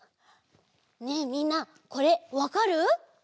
ねえみんなこれわかる？